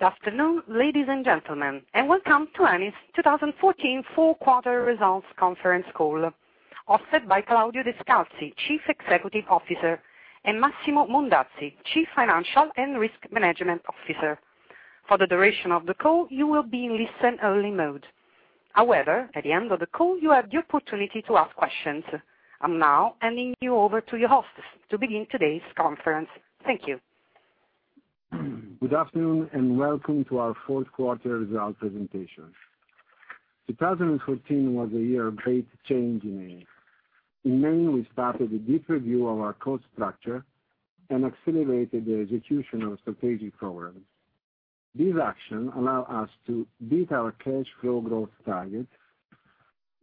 Good afternoon, ladies and gentlemen, and welcome to Eni's 2014 fourth quarter results conference call, hosted by Claudio Descalzi, Chief Executive Officer, and Massimo Mondazzi, Chief Financial and Risk Management Officer. For the duration of the call, you will be in listen only mode. However, at the end of the call, you have the opportunity to ask questions. I'm now handing you over to your hosts to begin today's conference. Thank you. Good afternoon, and welcome to our fourth quarter result presentation. 2014 was a year of great change in Eni. In many, we started a deep review of our cost structure and accelerated the execution of strategic programs. This action allow us to beat our cash flow growth targets,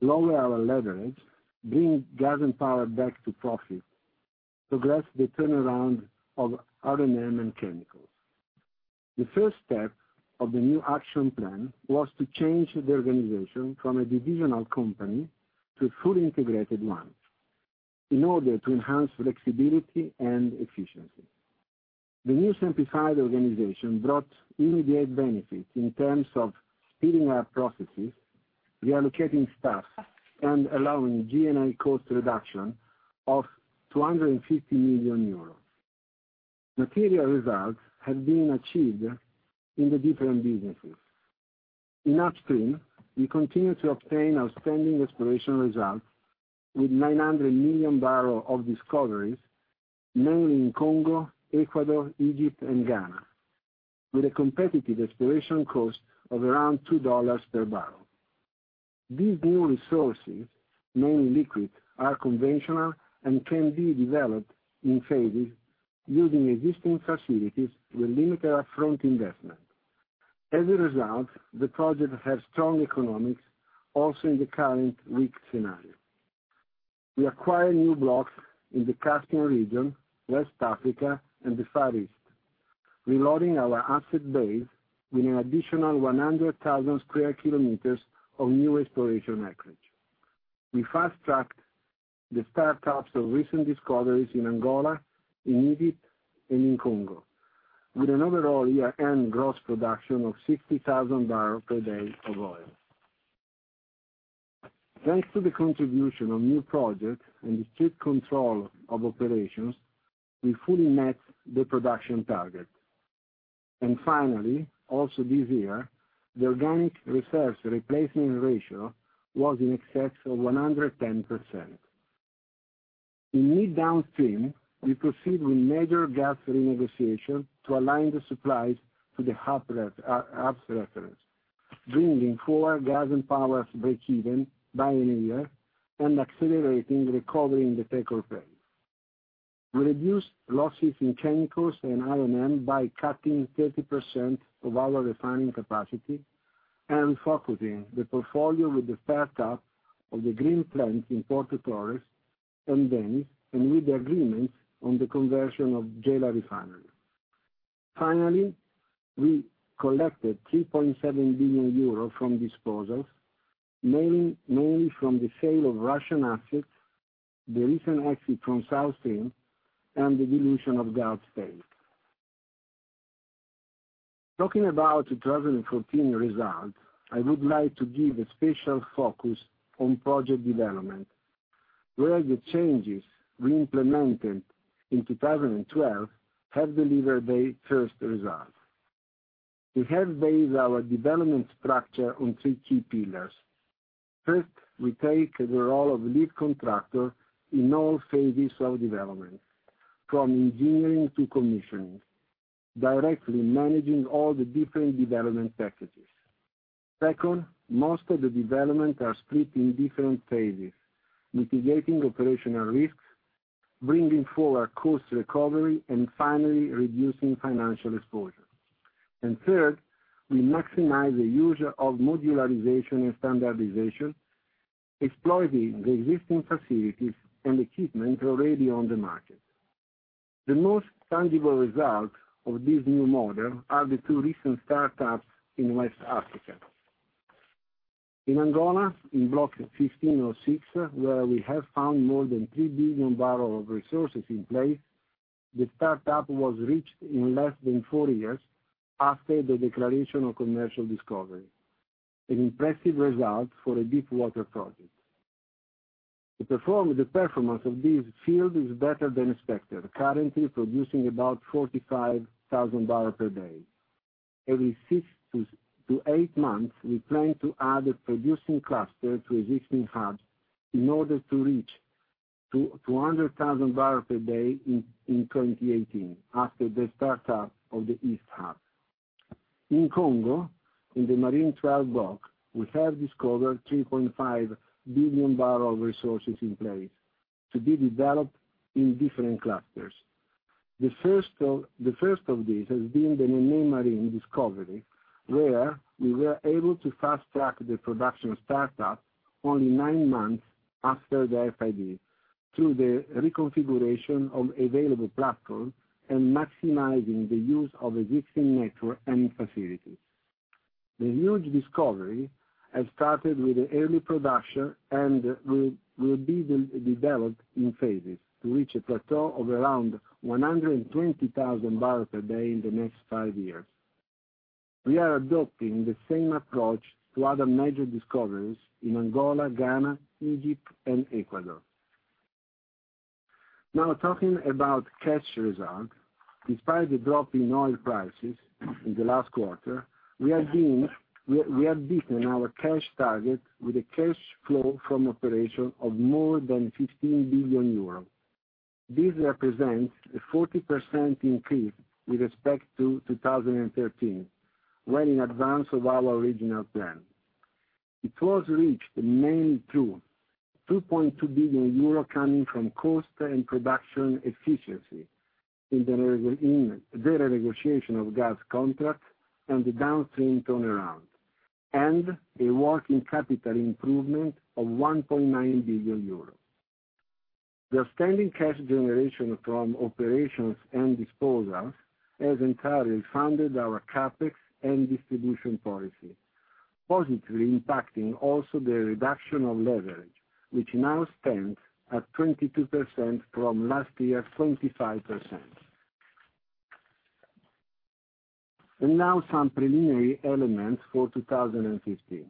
lower our leverage, bring gas and power back to profit, progress the turnaround of R&M and chemicals. The first step of the new action plan was to change the organization from a divisional company to a fully integrated one in order to enhance flexibility and efficiency. The new simplified organization brought immediate benefits in terms of speeding up processes, reallocating staff, and allowing G&A cost reduction of 250 million euros. Material results have been achieved in the different businesses. In upstream, we continue to obtain outstanding exploration results with 900 million barrel of discoveries, mainly in Congo, Ecuador, Egypt, and Ghana, with a competitive exploration cost of around $2 per barrel. These new resources, mainly liquid, are conventional and can be developed in phases using existing facilities with limited upfront investment. As a result, the project has strong economics, also in the current weak scenario. We acquire new blocks in the Caspian region, West Africa, and the Far East, reloading our asset base with an additional 100,000 square kilometers of new exploration acreage. We fast-tracked the startups of recent discoveries in Angola, in Egypt, and in Congo, with an overall year-end gross production of 60,000 barrel per day of oil. Thanks to the contribution of new projects and the strict control of operations, we fully met the production target. Finally, also this year, the organic resource replacement ratio was in excess of 110%. In mid-downstream, we proceed with major gas renegotiation to align the supplies to the hub's reference, bringing forward gas and power's breakeven by a year and accelerating recovery in the take-or-pay. We reduced losses in chemicals and R&M by cutting 30% of our refining capacity and focusing the portfolio with the start up of the green plant in Porto Torres, and then with the agreement on the conversion of Gela refinery. Finally, we collected 3.7 billion euros from disposals, mainly from the sale of Russian assets, the recent exit from South Stream, and the dilution of Gas Natural. Talking about 2014 result, I would like to give a special focus on project development, where the changes we implemented in 2012 have delivered their first result. We have based our development structure on three key pillars. First, we take the role of lead contractor in all phases of development, from engineering to commissioning, directly managing all the different development packages. Second, most of the development are split in different phases, mitigating operational risks, bringing forward cost recovery, and finally reducing financial exposure. Third, we maximize the use of modularization and standardization, exploiting the existing facilities and equipment already on the market. The most tangible result of this new model are the two recent startups in West Africa. In Angola, in Block 15/06, where we have found more than 3 billion barrel of resources in place, the startup was reached in less than 4 years after the declaration of commercial discovery, an impressive result for a deep water project. The performance of this field is better than expected, currently producing about 45,000 barrel per day. Every 6 to 8 months, we plan to add a producing cluster to existing hubs in order to reach 200,000 barrel per day in 2018, after the startup of the east hub. In Congo, in the Marine XII block, we have discovered 3.5 billion barrel resources in place to be developed in different clusters. The first of these has been the Nené Marine discovery, where we were able to fast-track the production startup only 9 months after the FID through the reconfiguration of available platforms and maximizing the use of existing network and facilities. The huge discovery has started with the early production and will be developed in phases to reach a plateau of around 120,000 barrels per day in the next 5 years. We are adopting the same approach to other major discoveries in Angola, Ghana, Egypt, and Ecuador. Talking about cash result. Despite the drop in oil prices in the last quarter, we have beaten our cash target with a cash flow from operation of more than 15 billion euros. This represents a 40% increase with respect to 2013, well in advance of our original plan. It was reached mainly through 2.2 billion euro coming from cost and production efficiency in the renegotiation of gas contracts and the downstream turnaround, and a working capital improvement of 1.9 billion euros. The outstanding cash generation from operations and disposals has entirely funded our CapEx and distribution policy, positively impacting also the reduction of leverage, which now stands at 22% from last year, 25%. Now some preliminary elements for 2015.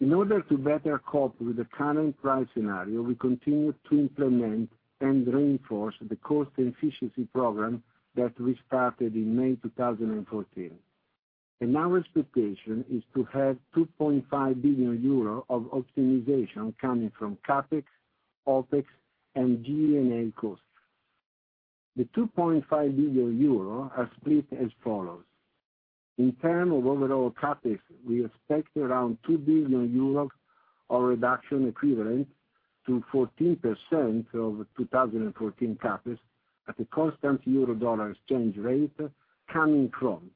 In order to better cope with the current price scenario, we continue to implement and reinforce the cost efficiency program that we started in May 2014. Our expectation is to have 2.5 billion euro of optimization coming from CapEx, OpEx, and G&A costs. The 2.5 billion euro are split as follows. In term of overall CapEx, we expect around 2 billion euros of reduction equivalent to 14% of 2014 CapEx at a constant euro-dollar exchange rate coming from: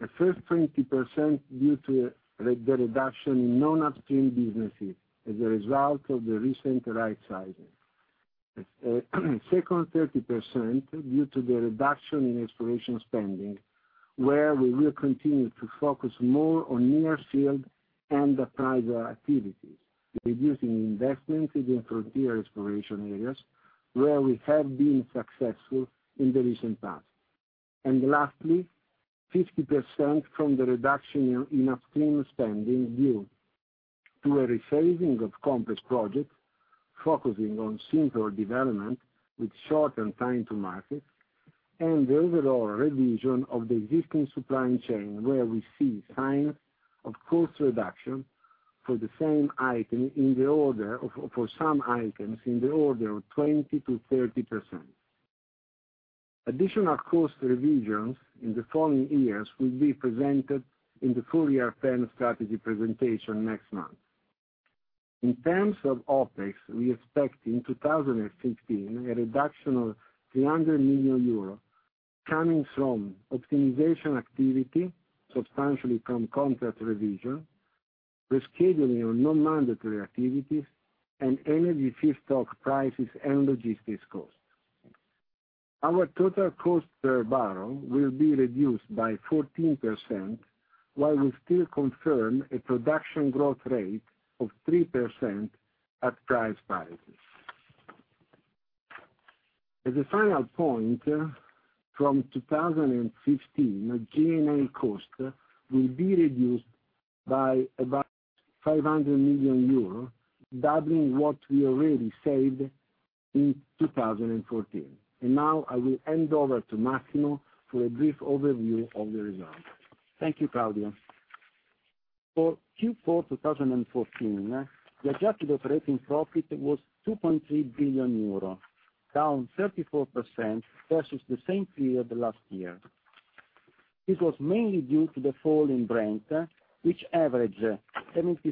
the first 20% due to the reduction in non-upstream businesses as a result of the recent rightsizing. Second 30% due to the reduction in exploration spending, where we will continue to focus more on near-field and appraiser activities, reducing investments in frontier exploration areas where we have been successful in the recent past. Lastly, 50% from the reduction in upstream spending due to a rephasing of complex projects, focusing on simpler development with shortened time to market and the overall revision of the existing supply chain, where we see signs of cost reduction for some items in the order of 20%-30%. Additional cost revisions in the following years will be presented in the full-year plan strategy presentation next month. In terms of OpEx, we expect in 2015 a reduction of 300 million euros coming from optimization activity, substantially from contract revision, rescheduling of non-mandatory activities, and energy feedstock prices and logistics costs. Our total cost per barrel will be reduced by 14%, while we still confirm a production growth rate of 3% at price parity. As a final point, from 2015, G&A cost will be reduced by about 500 million euros, doubling what we already saved in 2014. Now I will hand over to Massimo for a brief overview of the results. Thank you, Claudio. For Q4 2014, the adjusted operating profit was 2.3 billion euro, down 34% versus the same period last year. This was mainly due to the fall in Brent, which averaged $76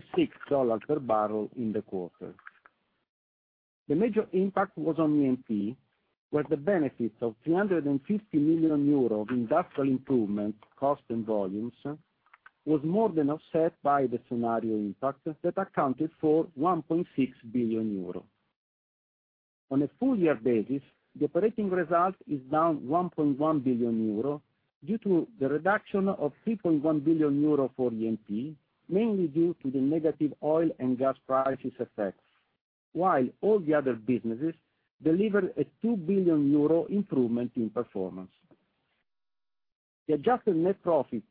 per barrel in the quarter. The major impact was on E&P, where the benefit of 350 million euro of industrial improvement cost and volumes was more than offset by the scenario impact that accounted for 1.6 billion euro. On a full year basis, the operating result is down 1.1 billion euro due to the reduction of 3.1 billion euro for E&P, mainly due to the negative oil and gas prices effects, while all the other businesses delivered a 2 billion euro improvement in performance. The adjusted net profit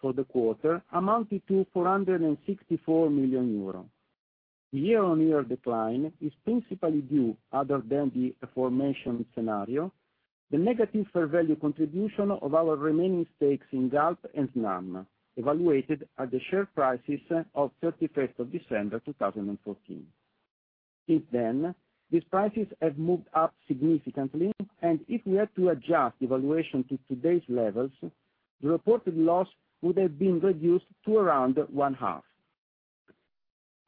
for the quarter amounted to 464 million euros. The year-on-year decline is principally due, other than the aforementioned scenario, the negative fair value contribution of our remaining stakes in Galp and Snam, evaluated at the share prices of 31st of December 2014. Since then, these prices have moved up significantly, and if we had to adjust the valuation to today's levels, the reported loss would have been reduced to around one half.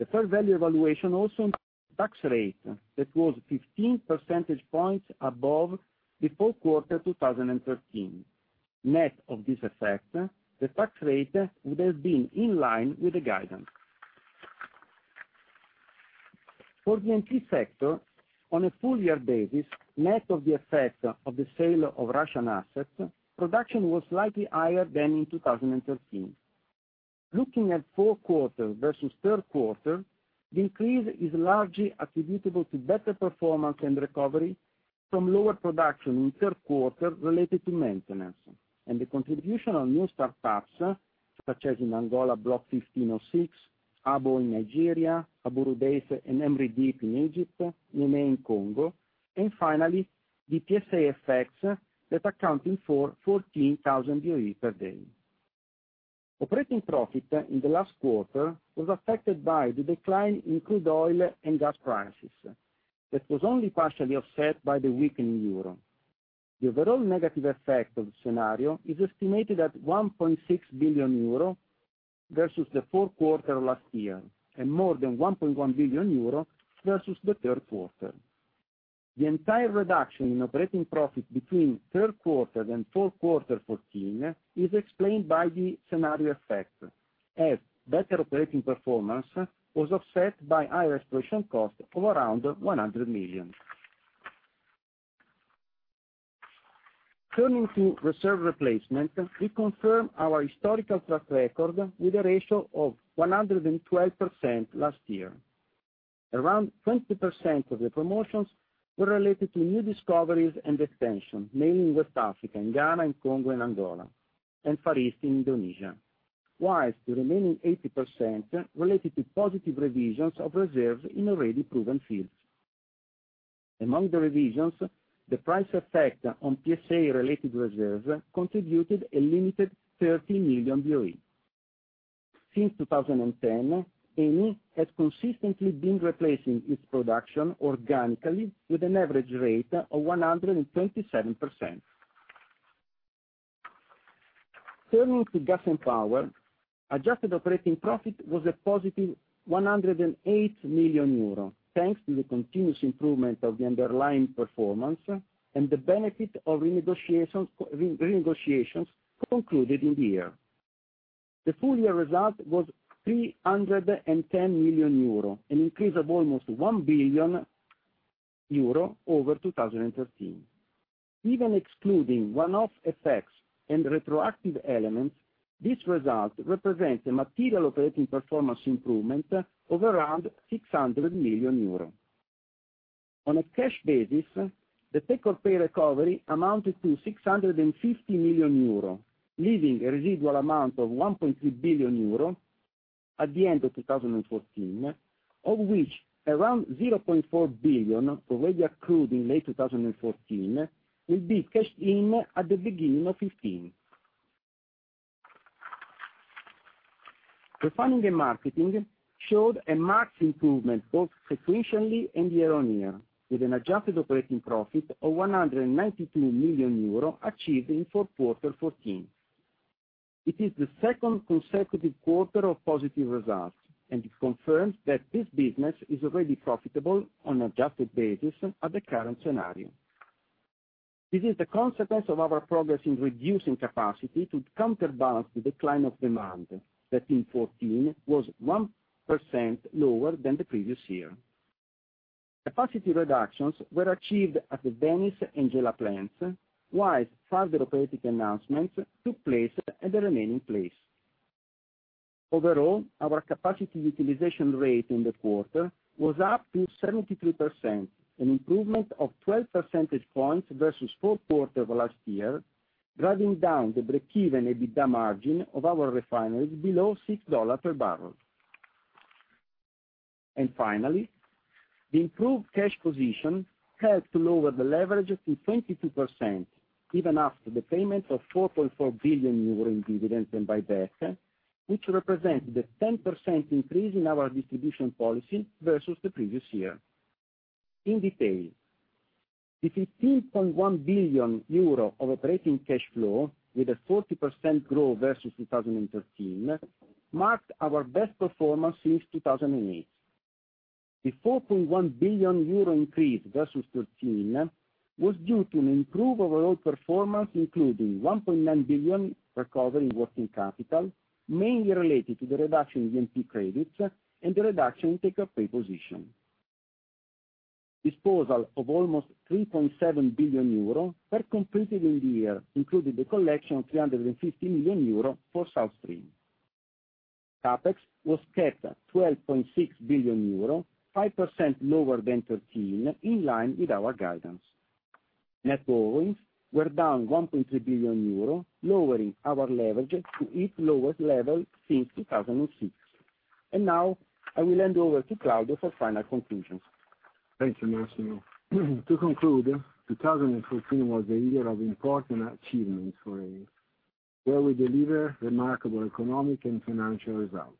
The fair value valuation also tax rate that was 15 percentage points above the full quarter 2013. Net of this effect, the tax rate would have been in line with the guidance. For the E&P sector, on a full year basis, net of the effect of the sale of Russian assets, production was slightly higher than in 2013. Looking at fourth quarter versus third quarter, the increase is largely attributable to better performance and recovery from lower production in the third quarter related to maintenance, and the contribution of new startups, such as in Angola Block 15/06, Abo in Nigeria, Abu Rudeis and Emry Deep in Egypt, Nené in Congo, and finally, the PSA effects that accounting for 14,000 boe per day. Operating profit in the last quarter was affected by the decline in crude oil and gas prices. It was only partially offset by the weakening euro. The overall negative effect of the scenario is estimated at 1.6 billion euro versus the fourth quarter last year, and more than 1.1 billion euro versus the third quarter. The entire reduction in operating profit between third quarter and fourth quarter 2014 is explained by the scenario effect, as better operating performance was offset by higher exploration cost of around EUR 100 million. Turning to reserve replacement, we confirm our historical track record with a ratio of 112% last year. Around 20% of the promotions were related to new discoveries and extension, mainly in West Africa, in Ghana and Congo and Angola, and Far East in Indonesia. The remaining 80% related to positive revisions of reserves in already proven fields. Among the revisions, the price effect on PSA-related reserves contributed a limited 30 million boe. Since 2010, Eni has consistently been replacing its production organically with an average rate of 127%. Turning to gas and power, adjusted operating profit was a positive 108 million euro, thanks to the continuous improvement of the underlying performance and the benefit of renegotiations concluded in the year. The full year result was 310 million euro, an increase of almost 1 billion euro over 2013. Even excluding one-off effects and retroactive elements, this result represents a material operating performance improvement of around 600 million euro. On a cash basis, the take-or-pay recovery amounted to 650 million euro, leaving a residual amount of 1.3 billion euro at the end of 2014, of which around 0.4 billion already accrued in late 2014 will be cashed in at the beginning of 2015. Refining and marketing showed a marked improvement both sequentially and year-on-year, with an adjusted operating profit of 192 million euro achieved in fourth quarter 2014. It is the second consecutive quarter of positive results, and it confirms that this business is already profitable on an adjusted basis at the current scenario. This is the consequence of our progress in reducing capacity to counterbalance the decline of demand, that in 2014 was 1% lower than the previous year. Capacity reductions were achieved at the Venice and Gela plants, further operating announcements took place at the remaining place. Overall, our capacity utilization rate in the quarter was up to 73%, an improvement of 12 percentage points versus fourth quarter of last year, driving down the break-even EBITDA margin of our refineries below $6 per barrel. Finally, the improved cash position helped to lower the leverage to 22%, even after the payment of 4.4 billion euro in dividends and buyback, which represents the 10% increase in our distribution policy versus the previous year. In detail, the 15.1 billion euro of operating cash flow with a 40% growth versus 2013 marked our best performance since 2008. The 4.1 billion euro increase versus 2013 was due to an improved overall performance, including 1.9 billion recovery in working capital, mainly related to the reduction in E&P credits and the reduction in take-or-pay position. Disposal of almost 3.7 billion euro were completed in the year, including the collection of 350 million euro for South Stream. CapEx was capped at 12.6 billion euro, 5% lower than 2013, in line with our guidance. Net borrowings were down 1.3 billion euro, lowering our leverage to its lowest level since 2006. Now, I will hand over to Claudio for final conclusions. Thanks, Massimo. To conclude, 2014 was a year of important achievements for Eni, where we deliver remarkable economic and financial results.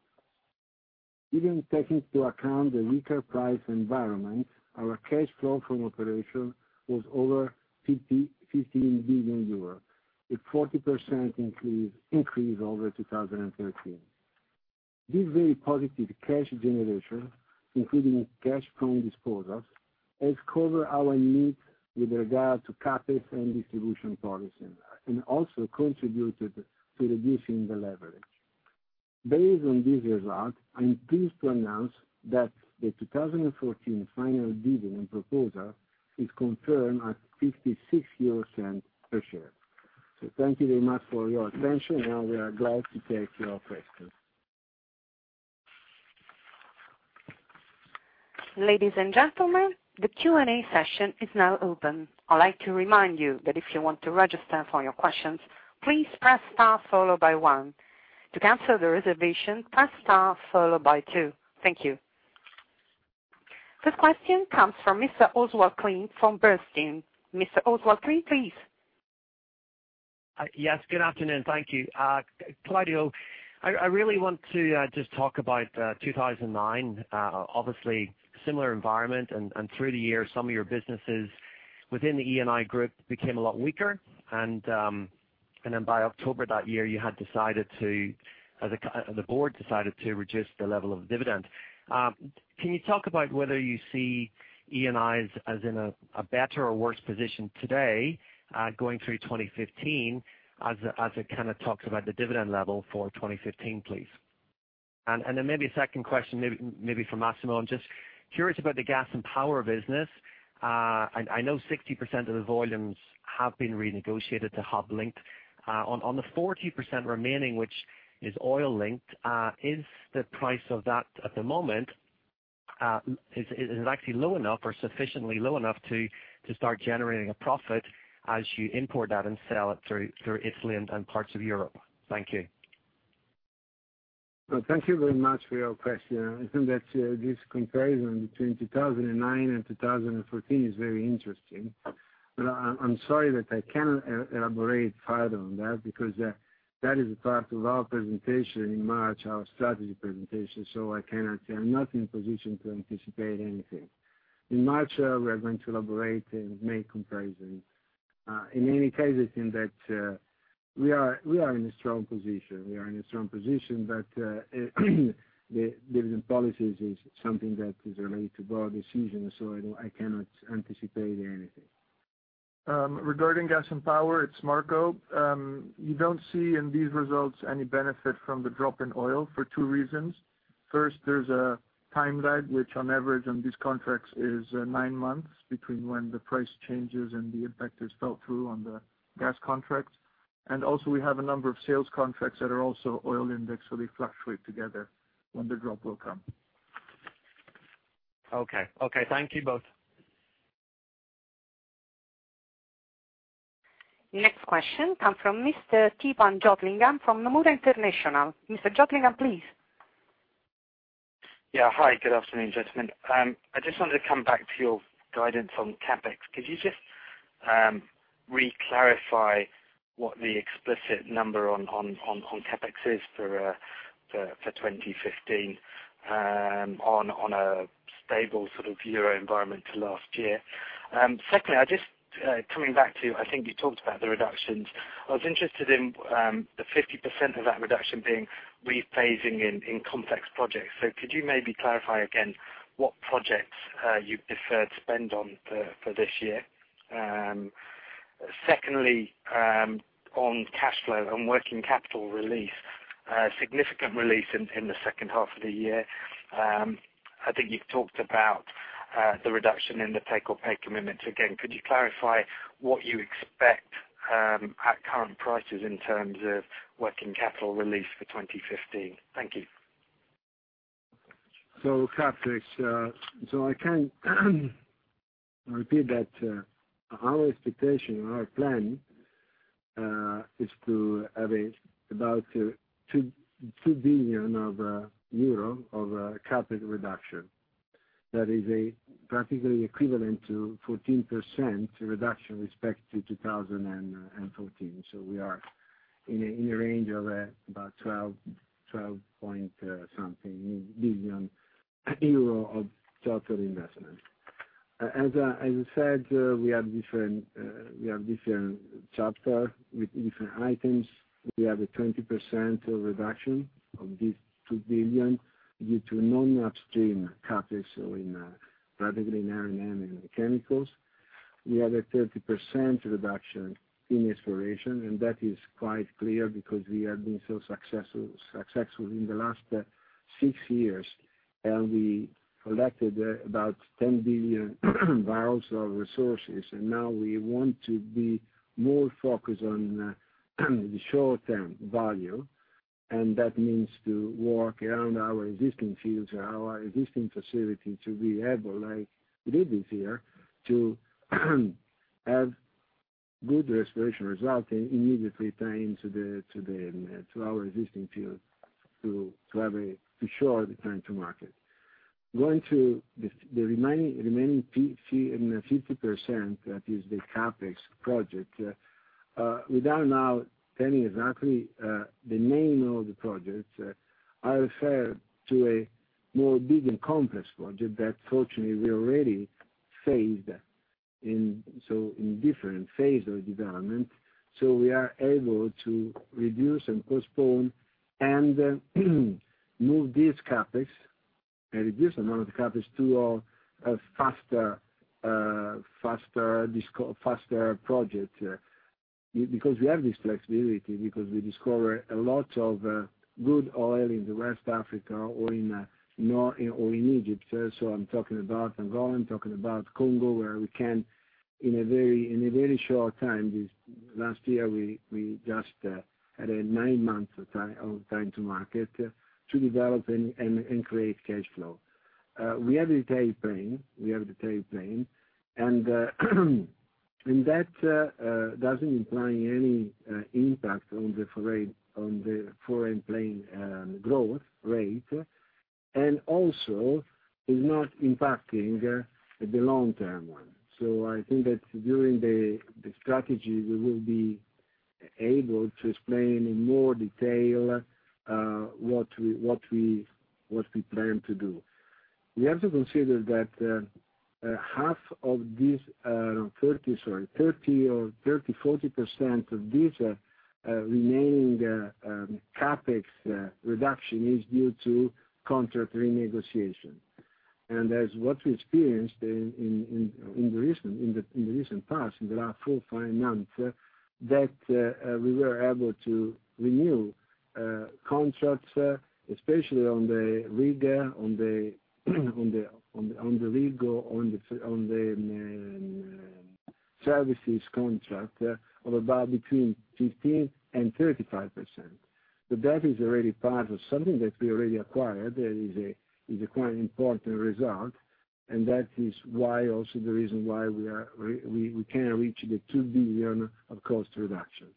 Even taking into account the weaker price environment, our cash flow from operation was over 15 billion euros, a 40% increase over 2013. This very positive cash generation, including cash from disposals, has covered our needs with regard to CapEx and distribution policy, and also contributed to reducing the leverage. Based on this result, I am pleased to announce that the 2014 final dividend proposal is confirmed at 0.56 euros per share. Thank you very much for your attention. Now we are glad to take your questions. Ladies and gentlemen, the Q&A session is now open. I would like to remind you that if you want to register for your questions, please press star 1. To cancel the reservation, press star 2. Thank you. This question comes from Mr. Oswald Clint from Bernstein. Mr. Oswald Clint, please. Yes, good afternoon. Thank you. Claudio, I really want to just talk about 2009. Obviously, similar environment, through the year, some of your businesses within the Eni group became a lot weaker, then by October that year, the board decided to reduce the level of dividend. Can you talk about whether you see Eni as in a better or worse position today, going through 2015, as it kind of talks about the dividend level for 2015, please? Then maybe a second question, maybe for Massimo. I am just curious about the gas and power business. I know 60% of the volumes have been renegotiated to hub link. On the 40% remaining, which is oil linked, is the price of that at the moment, is it actually low enough or sufficiently low enough to start generating a profit as you import that and sell it through Italy and parts of Europe? Thank you. Well, thank you very much for your question. I think that this comparison between 2009 and 2014 is very interesting. I'm sorry that I cannot elaborate further on that, because that is a part of our presentation in March, our strategy presentation. I cannot say. I'm not in a position to anticipate anything. In March, we are going to elaborate and make comparisons. In any case, I think that we are in a strong position. We are in a strong position, but the dividend policy is something that is related to board decisions, so I cannot anticipate anything. Regarding gas and power, it's Marco. You don't see in these results any benefit from the drop in oil for two reasons. First, there's a time lag, which on average on these contracts is nine months between when the price changes and the effect is felt through on the gas contracts. Also, we have a number of sales contracts that are also oil indexed, so they fluctuate together when the drop will come. Okay. Thank you both. Next question comes from Mr. Theepan Jothilingam from Nomura International. Mr. Jothilingam, please. Hi. Good afternoon, gentlemen. I just wanted to come back to your guidance on CapEx. Could you just re-clarify what the explicit number on CapEx is for 2015, on a stable sort of euro environment to last year? Secondly, coming back to, you talked about the reductions. I was interested in the 50% of that reduction being rephasing in complex projects. Could you maybe clarify again what projects you've deferred spend on for this year? Secondly, on cash flow and working capital release, significant release in the second half of the year. You've talked about the reduction in the take-or-pay commitments. Again, could you clarify what you expect at current prices in terms of working capital release for 2015? Thank you. CapEx. I can repeat that our expectation, our plan, is to have about 2 billion euro of CapEx reduction. That is practically equivalent to 14% reduction with respect to 2014. We are in a range of about 12 point something billion of total investment. As I said, we have different chapters with different items. We have a 20% reduction of this 2 billion due to non upstream CapEx, practically in R&M and chemicals. We have a 30% reduction in exploration, that is quite clear because we have been so successful in the last six years, we collected about 10 billion barrels of resources, now we want to be more focused on the short-term value, that means to work around our existing fields and our existing facility to be able, like we did this year, to have good exploration results and immediately tie into our existing fields to shorten the time to market. Going to the remaining 50%, that is the CapEx project. Without now telling exactly the name of the project, I refer to a more big and complex project that fortunately we already phased in different phases of development. We are able to reduce and postpone and move this CapEx and reduce amount of CapEx to a faster project. We have this flexibility because we discover a lot of good oil in West Africa or in Egypt. I'm talking about Angola, I'm talking about Congo, where we can, in a very short time, this last year, we just had a nine months of time to market to develop and create cash flow. We have the tail plan, and that doesn't imply any impact on the foreign plan growth rate, and also is not impacting the long-term one. I think that during the strategy, we will be able to explain in more detail what we plan to do. We have to consider that half of this 30% or 40% of this remaining CapEx reduction is due to contract renegotiation. As what we experienced in the recent past, in the last four, five months, that we were able to renew contracts, especially on the rig, on the services contract of about between 15% and 35%. That is already part of something that we already acquired that is a quite important result, and that is why also the reason why we can reach the 2 billion of cost reduction.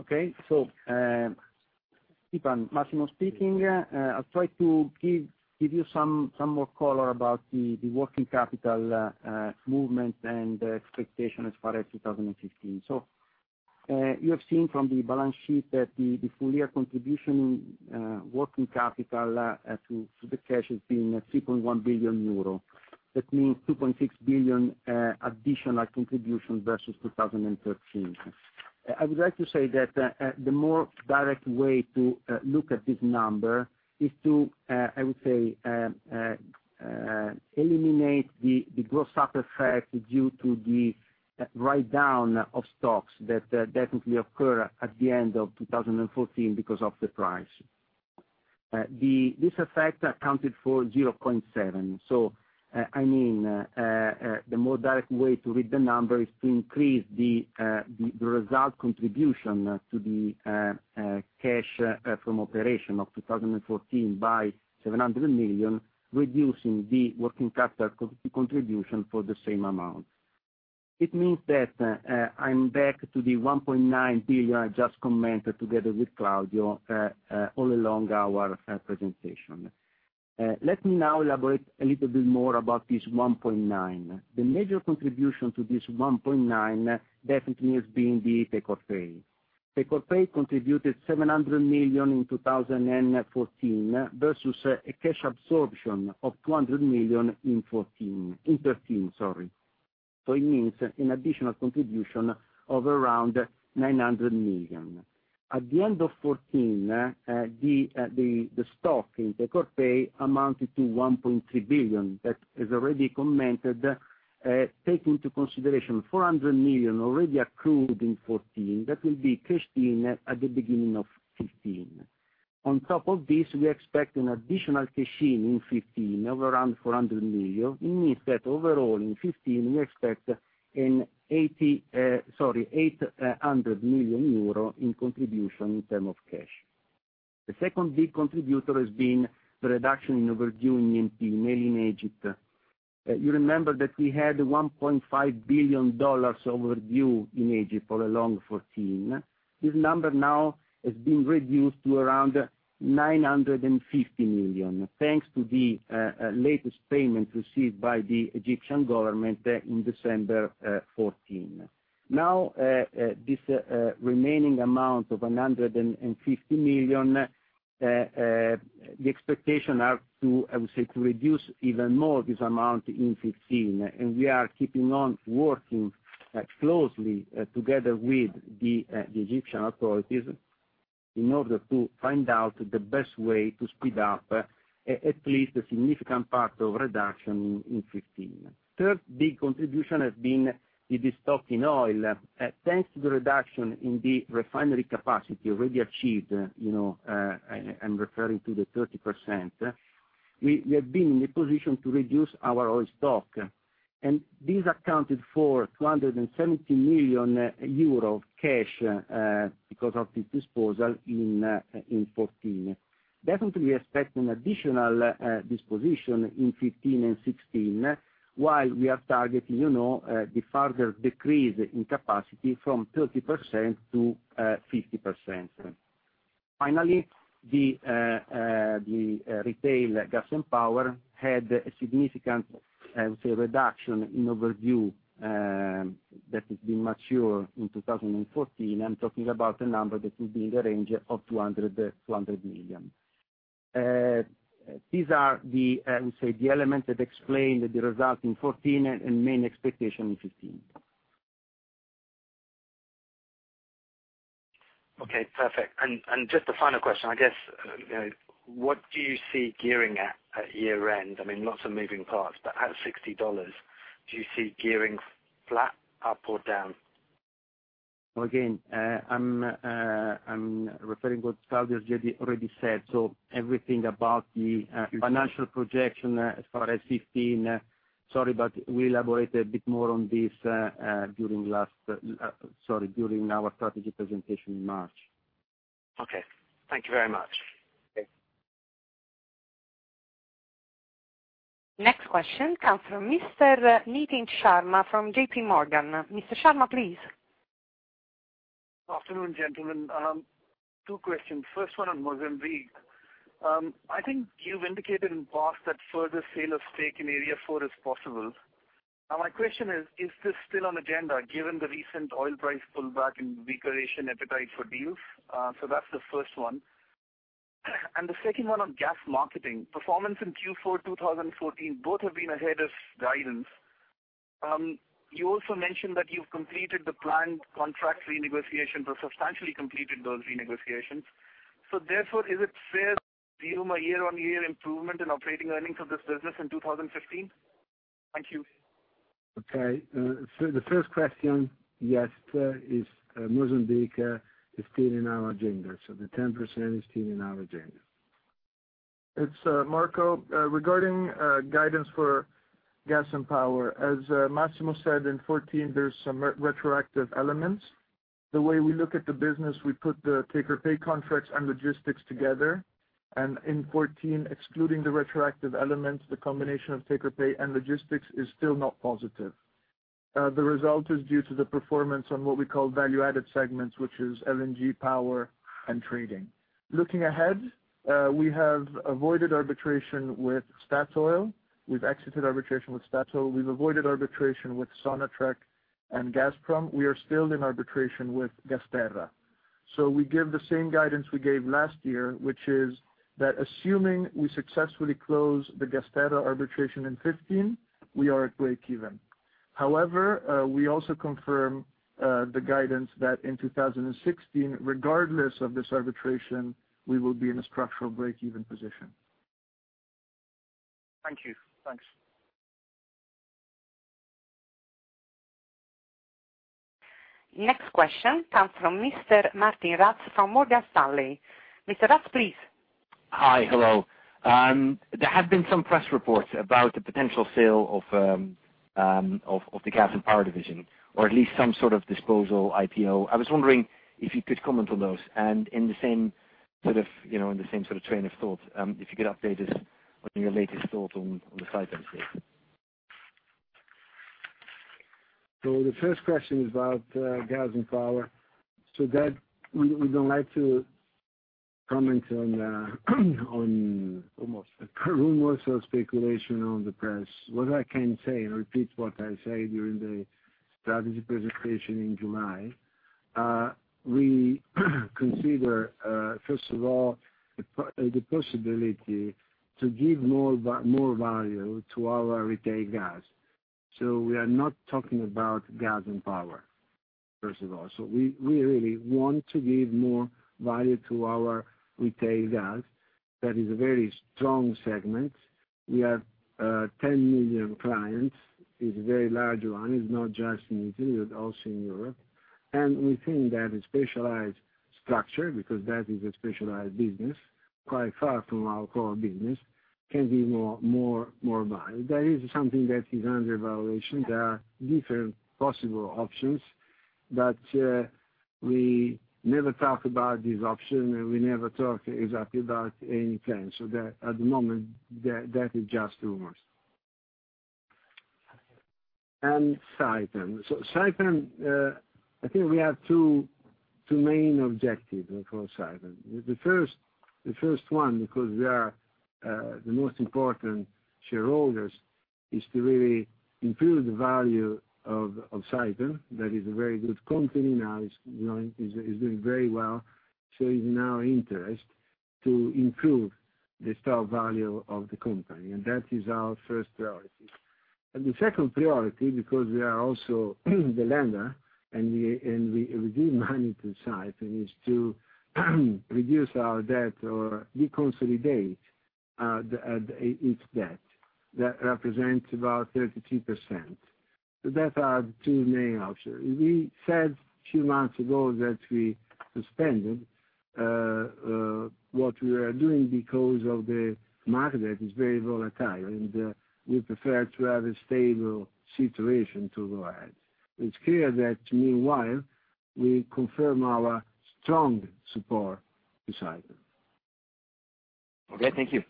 Okay. Theepan, Massimo speaking. I'll try to give you some more color about the working capital movement and the expectation as far as 2015. You have seen from the balance sheet that the full year contribution working capital to the cash has been 3.1 billion euro. That means 2.6 billion additional contribution versus 2013. I would like to say that the more direct way to look at this number is to, I would say, eliminate the gross up effect due to the write down of stocks that definitely occur at the end of 2014 because of the price. This effect accounted for 0.7. I mean, the more direct way to read the number is to increase the result contribution to the cash from operation of 2014 by 700 million, reducing the working capital contribution for the same amount. It means that I'm back to the 1.9 billion I just commented together with Claudio, all along our presentation. Let me now elaborate a little bit more about this 1.9. The major contribution to this 1.9 definitely has been the take or pay. Take or pay contributed 700 million in 2014 versus a cash absorption of 200 million in 2014. In 2013, sorry. It means an additional contribution of around 900 million. At the end of 2014, the stock in take or pay amounted to 1.3 billion. That is already commented, take into consideration 400 million already accrued in 2014. That will be cashed in at the beginning of 2015. On top of this, we expect an additional cash-in in 2015 of around 400 million. It means that overall in 2015, we expect 800 million euro in contribution in term of cash. The second big contributor has been the reduction in overdue NWC, mainly in Egypt. You remember that we had EUR 1.5 billion overdue in Egypt for the long of 2014. This number now has been reduced to around 950 million, thanks to the latest payment received by the Egyptian government in December 2014. This remaining amount of 150 million, the expectations are to, I would say, to reduce even more this amount in 2015, and we are keeping on working closely together with the Egyptian authorities in order to find out the best way to speed up at least a significant part of reduction in 2015. Third big contribution has been the stock in oil. Thanks to the reduction in the refinery capacity already achieved, I'm referring to the 30%, we have been in a position to reduce our oil stock. This accounted for 270 million euro cash because of the disposal in 2014. Definitely expect an additional disposition in 2015 and 2016 while we are targeting the further decrease in capacity from 30% to 50%. Finally, the retail gas and power had a significant, I would say, reduction in overdue that has been mature in 2014. I'm talking about a number that will be in the range of 200 million. These are the, I would say, the elements that explain the result in 2014 and main expectation in 2015. Okay, perfect. Just the final question, what do you see gearing at year end? Lots of moving parts, but at $60, do you see gearing flat, up or down? Again, I'm referring what Claudio has already said. Everything about the financial projection as far as 2015, sorry, but we elaborate a bit more on this during our strategy presentation in March. Okay. Thank you very much. Okay. Next question comes from Mr. Nitin Sharma from JP Morgan. Mr. Sharma, please. Afternoon, gentlemen. Two questions. First one on Mozambique. I think you've indicated in the past that further sale of stake in Area 4 is possible. My question is: Is this still on agenda given the recent oil price pullback and weaker Asian appetite for deals? That's the first one. The second one on gas marketing. Performance in Q4 2014, both have been ahead of guidance. You also mentioned that you've completed the planned contract renegotiations, or substantially completed those renegotiations. Therefore, is it fair to assume a year-on-year improvement in operating earnings of this business in 2015? Thank you. Okay. The first question, yes, Mozambique is still in our agenda. The 10% is still in our agenda. It's Marco. Regarding guidance for gas and power, as Massimo said, in 2014, there's some retroactive elements. The way we look at the business, we put the take-or-pay contracts and logistics together. In 2014, excluding the retroactive elements, the combination of take-or-pay and logistics is still not positive. The result is due to the performance on what we call value-added segments, which is LNG, power, and trading. Looking ahead, we have avoided arbitration with Statoil. We've exited arbitration with Statoil. We've avoided arbitration with Sonatrach and Gazprom. We are still in arbitration with GasTerra. We give the same guidance we gave last year, which is that assuming we successfully close the GasTerra arbitration in 2015, we are at breakeven. However, we also confirm the guidance that in 2016, regardless of this arbitration, we will be in a structural breakeven position. Thank you. Thanks. Next question comes from Mr. Martijn Rats from Morgan Stanley. Mr. Rats, please. Hi. Hello. There have been some press reports about the potential sale of the gas and power division, or at least some sort of disposal IPO. I was wondering if you could comment on those. In the same sort of train of thought, if you could update us on your latest thought on the Saipem sale. The first question is about gas and power. That, we don't like to comment on Rumors. Rumors or speculation on the press. What I can say, and repeat what I said during the strategy presentation in July, we consider, first of all, the possibility to give more value to our retail gas. We are not talking about gas and power, first of all. We really want to give more value to our retail gas. That is a very strong segment. We have 10 million clients. It's a very large one. It's not just in Italy, but also in Europe. We think that a specialized structure, because that is a specialized business, quite far from our core business, can be more value. That is something that is under evaluation. There are different possible options, we never talk about this option, and we never talk exactly about any plan. At the moment, that is just rumors. Saipem. Saipem, I think we have two main objectives for Saipem. The first one, because we are the most important shareholders, is to really improve the value of Saipem. That is a very good company now. It's doing very well. It's in our interest to improve the stock value of the company, and that is our first priority. The second priority, because we are also the lender, and we give money to Saipem, is to reduce our debt or reconsolidate its debt. That represents about 32%. That are the two main options. We said a few months ago that we suspended what we are doing because of the market is very volatile, and we prefer to have a stable situation to go ahead. It's clear that meanwhile, we confirm our strong support to Saipem. Okay, thank you.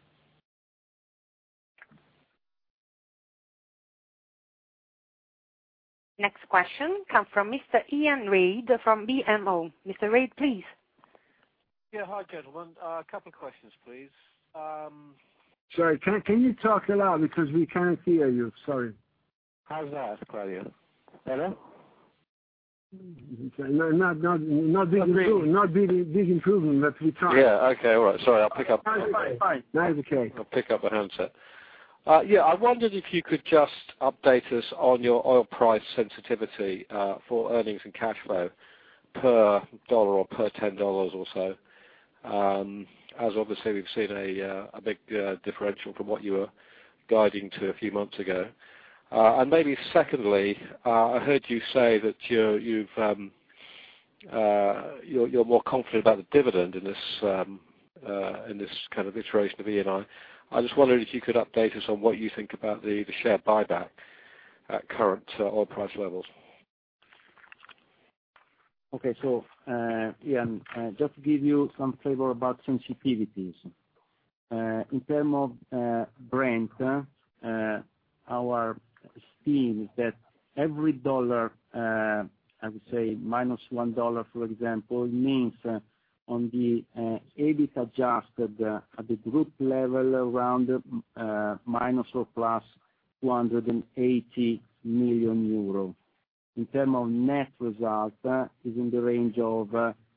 Next question comes from Mr. Iain Reid from BMO. Mr. Reid, please. Yeah. Hi, gentlemen. A couple questions, please. Sorry, can you talk aloud because we can't hear you? Sorry. How's that, Claudio? Better? Not big improvement, but we try. Yeah. Okay. All right. Sorry, I'll pick up. Now it's fine. Now is okay. I'll pick up the handset. Yeah. I wondered if you could just update us on your oil price sensitivity for earnings and cash flow per dollar or per $10 or so. Obviously we've seen a big differential from what you were guiding to a few months ago. Maybe secondly, I heard you say that you're more confident about the dividend in this kind of iteration of Eni. I just wondered if you could update us on what you think about the share buyback at current oil price levels. Okay. Iain, just to give you some flavor about sensitivities. In terms of Brent, our esteem is that every dollar, I would say minus $1, for example, means on the EBIT adjusted at the group level around minus or plus 280 million euro. In terms of net result, is in the range of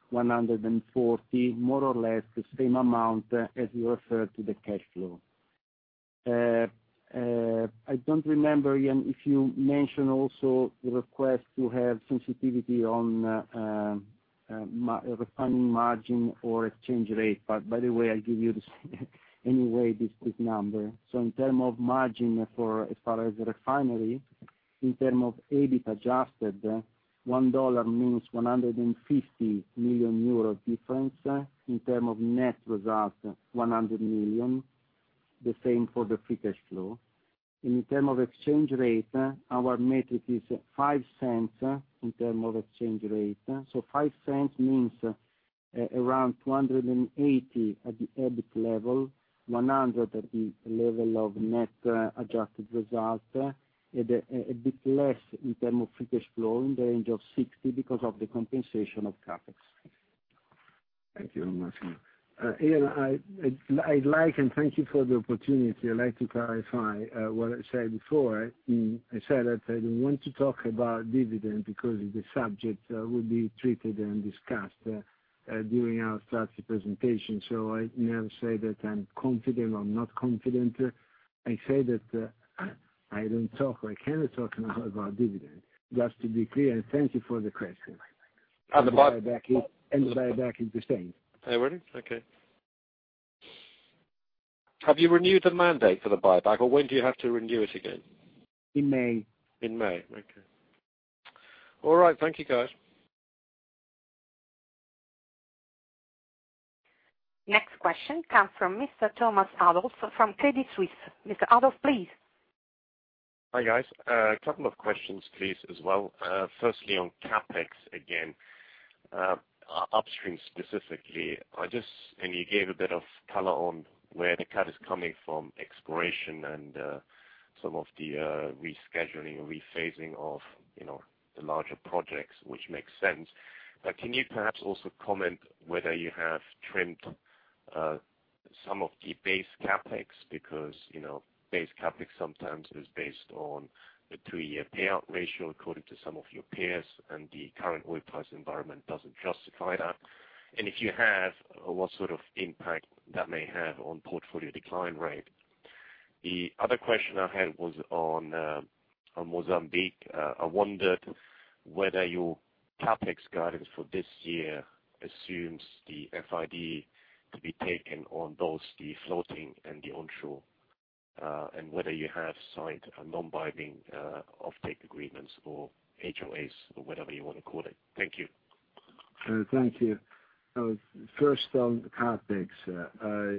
140 million, more or less the same amount as you refer to the cash flow. I don't remember, Ian, if you mentioned also the request to have sensitivity on refining margin or exchange rate, by the way, I give you anyway this quick number. In terms of margin as far as refinery, in terms of EBIT adjusted, $1 means 150 million euros difference. In terms of net result, 100 million, the same for the free cash flow. In terms of exchange rate, our metric is EUR 0.05 in terms of exchange rate. 0.05 means around 280 million at the EBIT level, 100 million at the level of net adjusted result, a bit less in terms of free cash flow, in the range of 60 million because of the compensation of CapEx. Thank you very much. Ian, thank you for the opportunity. I'd like to clarify what I said before. I said that I don't want to talk about dividend because the subject will be treated and discussed during our strategy presentation. I never say that I'm confident or not confident. I say that I don't talk, or I cannot talk now about dividend. Just to be clear, thank you for the question. The buyback is. The buyback is the same. Really? Okay. Have you renewed the mandate for the buyback, or when do you have to renew it again? In May. In May. Okay. All right. Thank you, guys. Next question comes from Mr. Thomas Adolff from Credit Suisse. Mr. Adolff, please. Hi, guys. A couple of questions, please, as well. Firstly, on CapEx again, upstream specifically. You gave a bit of color on where the cut is coming from exploration and some of the rescheduling, rephasing of the larger projects, which makes sense. Can you perhaps also comment whether you have trimmed some of the base CapEx? Base CapEx sometimes is based on a two-year payout ratio according to some of your peers, and the current oil price environment doesn't justify that. If you have, what sort of impact that may have on portfolio decline rate? The other question I had was on Mozambique. I wondered whether your CapEx guidance for this year assumes the FID to be taken on both the floating and the onshore, and whether you have signed non-binding offtake agreements or HOAs or whatever you want to call it. Thank you. Thank you. First on the CapEx.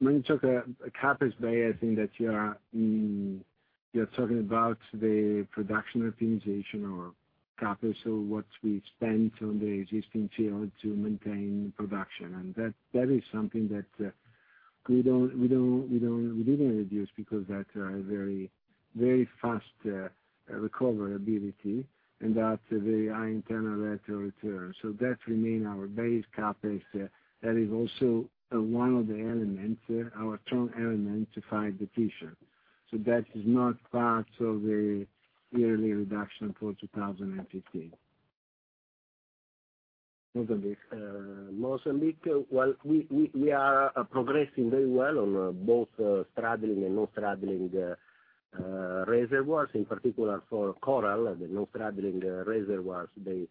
When you talk a CapEx base, I think that you're talking about the production optimization or CapEx or what we spent on the existing field to maintain production. That is something that we didn't reduce because that has very fast recoverability, and that's very high internal rate of return. That remain our base CapEx. That is also one of the elements, our strong element to fight depletion. That is not part of the yearly reduction for 2015. Mozambique. Well, we are progressing very well on both straddling and non-straddling reservoirs. In particular for Coral, the non-straddling reservoirs, the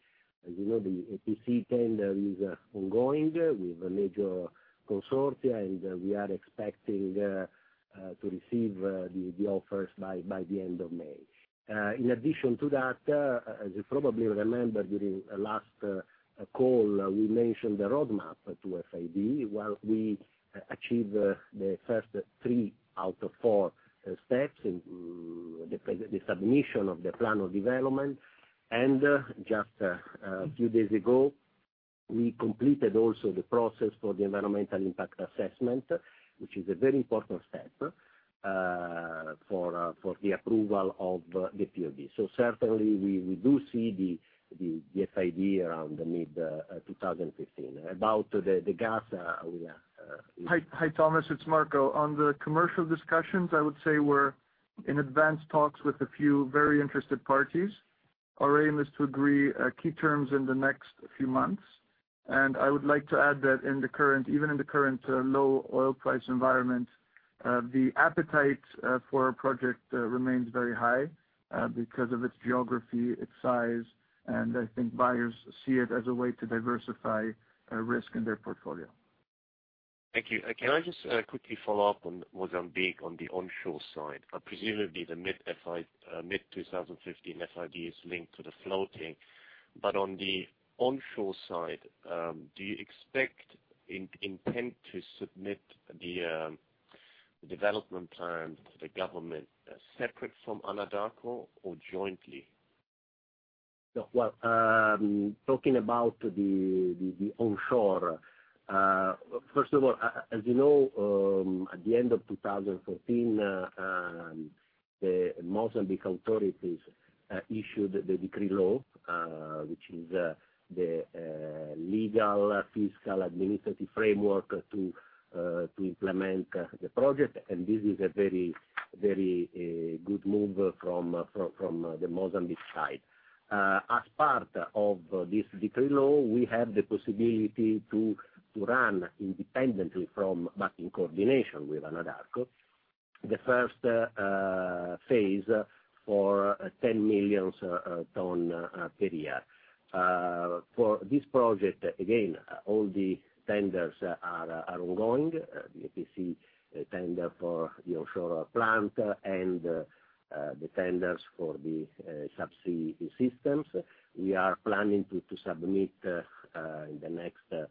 EPC tender is ongoing with a major consortia, and we are expecting to receive the offers by the end of May. In addition to that, as you probably remember during last call, we mentioned the roadmap to FID. Well, we achieved the first three out of four steps in the submission of the plan of development. Just a few days ago, we completed also the process for the environmental impact assessment, which is a very important step for the approval of the POD. Certainly, we do see the FID around mid-2015. About the gas, we are- Hi, Thomas. It's Marco. On the commercial discussions, I would say we're in advanced talks with a few very interested parties Our aim is to agree key terms in the next few months. I would like to add that even in the current low oil price environment, the appetite for our project remains very high because of its geography, its size, and I think buyers see it as a way to diversify risk in their portfolio. Thank you. Can I just quickly follow up on Mozambique on the onshore side? Presumably the mid-2015 FID is linked to the floating. On the onshore side, do you expect intent to submit the development plan to the government separate from Anadarko or jointly? Well, talking about the onshore. First of all, as you know, at the end of 2014, the Mozambique authorities issued the decree law, which is the legal, fiscal, administrative framework to implement the project. This is a very good move from the Mozambique side. As part of this decree law, we have the possibility to run independently from, but in coordination with Anadarko, the first phase for 10 million ton per year. For this project, again, all the tenders are ongoing. The EPC tender for the offshore plant and the tenders for the subsea systems. We are planning to submit in the next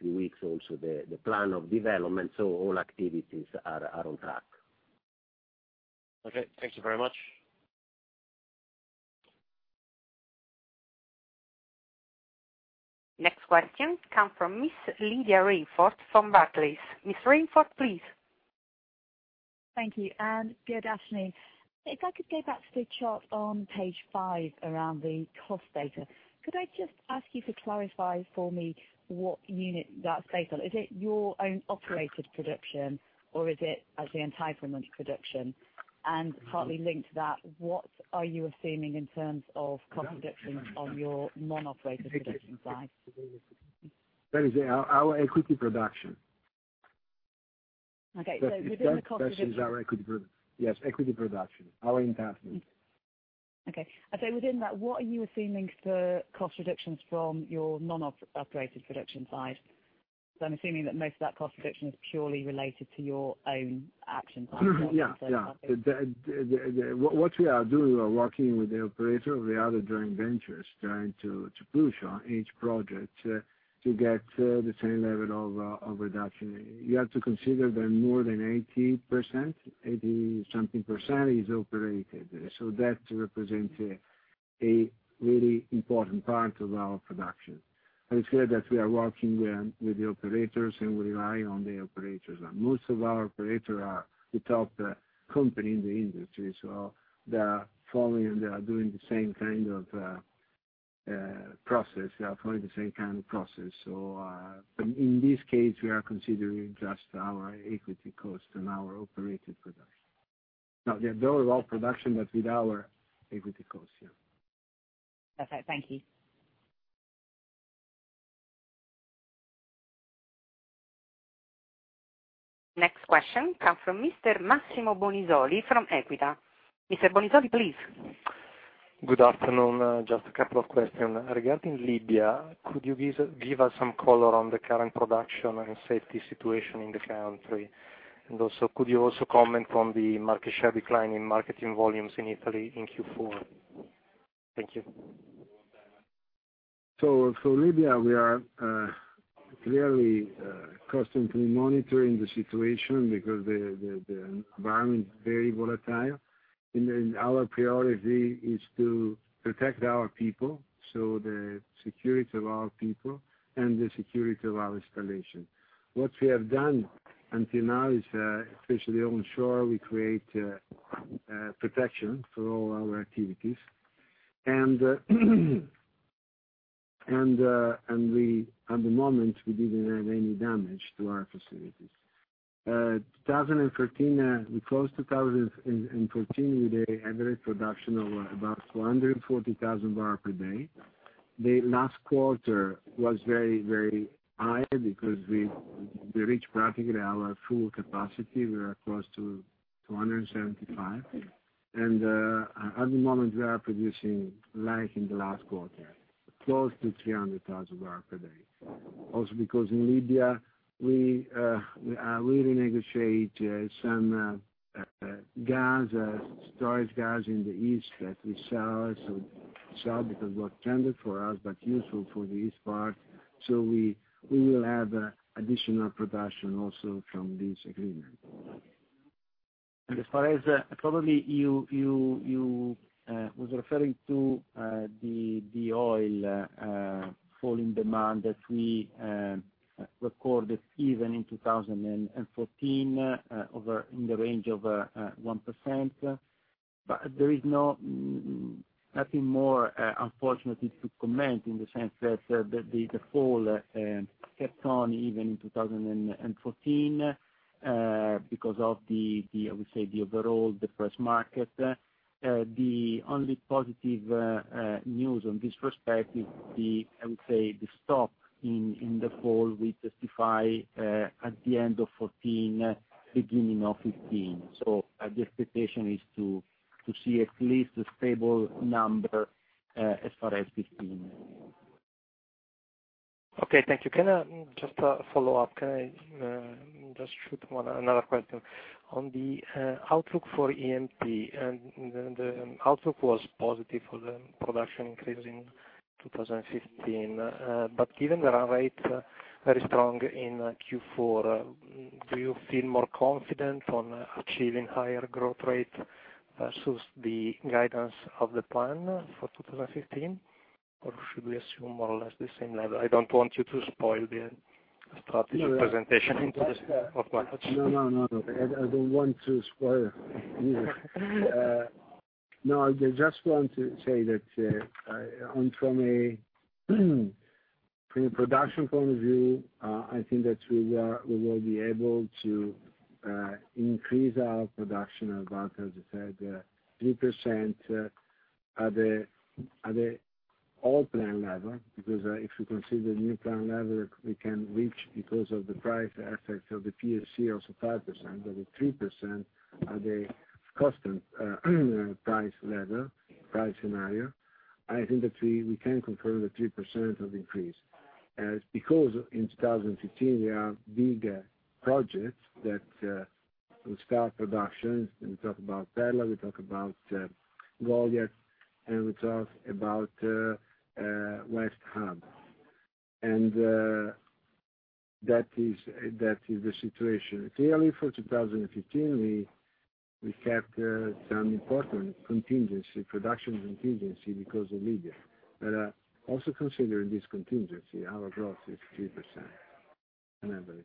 few weeks also the plan of development. All activities are on track. Okay. Thank you very much. Next question come from Ms. Lydia Rainforth from Barclays. Ms. Rainforth, please. Thank you. Good afternoon. If I could go back to the chart on page five around the cost data, could I just ask you to clarify for me what unit that's based on? Is it your own operated production or is it as the entire production? Partly linked to that, what are you assuming in terms of cost reduction on your non-operated production side? That is our equity production. Okay, within the cost reduction. Yes, equity production, our interest. Okay. Within that, what are you assuming for cost reductions from your non-operated production side? I'm assuming that most of that cost reduction is purely related to your own actions. What we are doing, we are working with the operator of the other joint ventures, trying to push on each project to get the same level of reduction. You have to consider that more than 80%, 80-something percent is operated. That represents a really important part of our production. I said that we are working with the operators, and we rely on the operators. Most of our operators are the top company in the industry, so they are following, they are doing the same kind of process. They are following the same kind of process. In this case, we are considering just our equity cost and our operated production. No, they're all production, but with our equity cost. That's it. Thank you. Next question comes from Mr. Massimo Bonisoli from Equita. Mr. Bonisoli, please. Good afternoon. Just a couple of questions. Regarding Libya, could you give us some color on the current production and safety situation in the country? Also, could you also comment on the market share decline in marketing volumes in Italy in Q4? Thank you. For Libya, we are clearly constantly monitoring the situation because the environment is very volatile. Our priority is to protect our people, so the security of our people and the security of our installation. What we have done until now is, especially onshore, we create protection for all our activities. At the moment, we didn't have any damage to our facilities. 2013, we closed 2014 with an average production of about 140,000 barrel per day. The last quarter was very high because we reached practically our full capacity. We are close to 175. At the moment, we are producing like in the last quarter, close to 300,000 barrel per day. Also because in Libya, we renegotiate some gas, storage gas in the east that we sell because what tended for us, but useful for the east part. We will have additional production also from this agreement. As far as, probably you were referring to the oil falling demand that we recorded even in 2014 over in the range of 1%. There is nothing more unfortunately to comment in the sense that the fall kept on even in 2014, because of the, I would say, the overall depressed market. The only positive news on this perspective, I would say, the stop in the fall we justify at the end of 2014, beginning of 2015. The expectation is to see at least a stable number as far as 2015. Okay, thank you. Just a follow-up. Can I just shoot another question? On the outlook for E&P, the outlook was positive for the production increase in 2015. Given the run rate very strong in Q4, do you feel more confident on achieving higher growth rate versus the guidance of the plan for 2015? Or should we assume more or less the same level? I don't want you to spoil the strategy presentation of course. I don't want to spoil either. I just want to say that from a production point of view, I think that we will be able to increase our production about, as I said, 3% at the all plan level. If you consider the new plan level, we can reach because of the price effect of the PSC, also 5%, but the 3% are the constant price level, price scenario. I think that we can confirm the 3% of increase. In 2015, we have big projects that will start production. We talk about OCTP, we talk about Goliat, and we talk about West Hub. That is the situation. Clearly for 2015, we kept some important production contingency because of Libya. Also considering this contingency, our growth is 3% on average.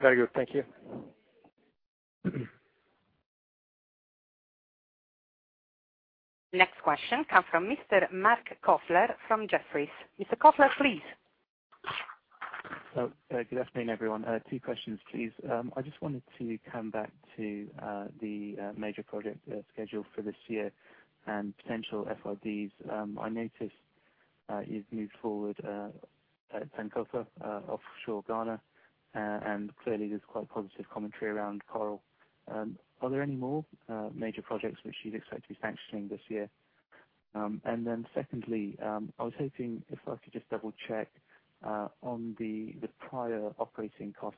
Very good. Thank you. Next question comes from Mr. Marc Kofler from Jefferies. Mr. Kofler, please. Good afternoon, everyone. Two questions, please. I just wanted to come back to the major project schedule for this year and potential FIDs. I noticed you've moved forward Sankofa offshore Ghana, and clearly there's quite positive commentary around Coral. Are there any more major projects which you'd expect to be sanctioning this year? Secondly, I was hoping if I could just double-check on the prior operating cost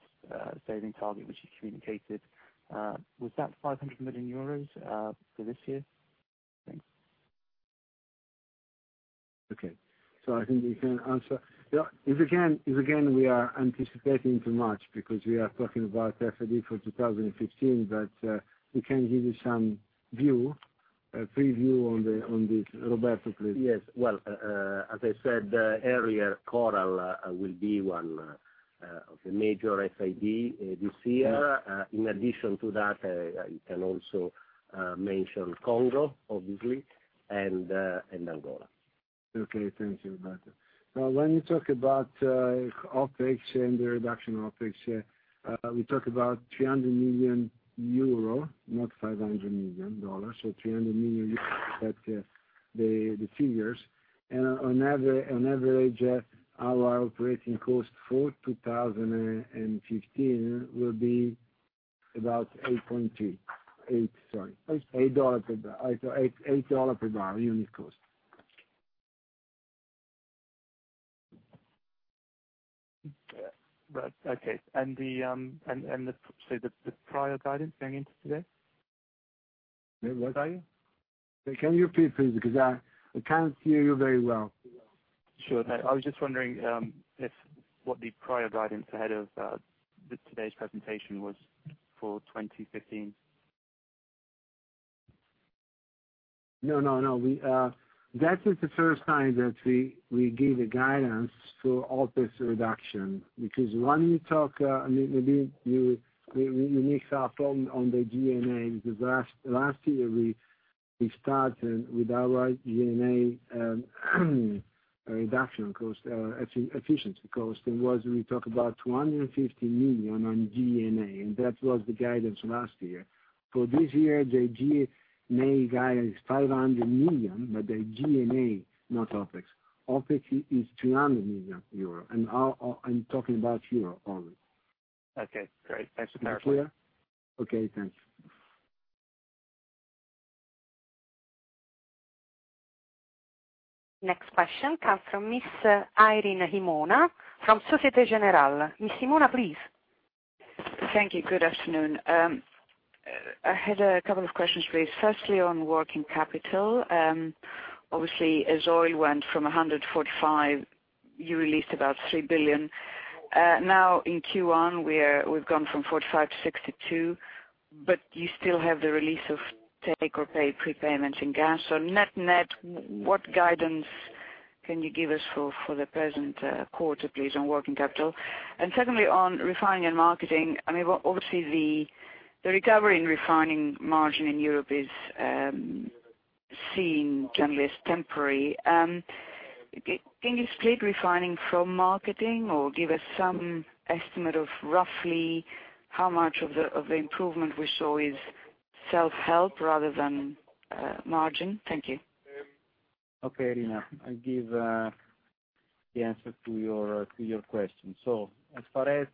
saving target, which you communicated. Was that 500 million euros for this year? Thanks. I think we can answer. We are anticipating too much because we are talking about FID for 2015. We can give you some preview on this. Roberto, please. Yes. As I said earlier, Coral will be one of the major FID this year. I can also mention Congo and Angola. Okay, thank you, Roberto. When you talk about OpEx and the reduction in OpEx, we talk about 300 million euro, not EUR 500 million, 300 million euro, the figures. On average, our operating cost for 2015 will be about $8 per barrel unit cost. Right. Okay. The prior guidance going into today? What? Guidance? Can you repeat, please? Because I can't hear you very well. Sure. I was just wondering what the prior guidance ahead of today's presentation was for 2015. No. That is the first time that we give the guidance for OpEx reduction. When you talk, maybe you mix up on the G&A, because last year we started with our G&A reduction cost, efficiency cost. We talk about 250 million on G&A, and that was the guidance last year. For this year, the G&A guidance 500 million, but the G&A, not OpEx. OpEx is 300 million euro. I'm talking about euro only. Okay, great. Thanks for clarifying. Is that clear? Okay, thanks. Next question comes from Miss Irene Himona from Societe Generale. Miss Himona, please. Thank you. Good afternoon. I had a couple of questions, please. Firstly, on working capital. Obviously, as oil went from 145, you released about 3 billion. Now in Q1, we've gone from 45 to 62, but you still have the release of take-or-pay prepayments in gas. Net, what guidance can you give us for the present quarter, please, on working capital? Secondly, on refining and marketing, obviously the recovery in refining margin in Europe is seen generally as temporary. Can you split refining from marketing or give us some estimate of roughly how much of the improvement we show is self-help rather than margin? Thank you. Okay, Irene, I'll give the answer to your question. As far as